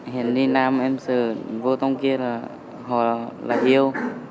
hiền đi nam em sử vô tông kia là họ là yêu